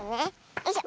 よいしょ。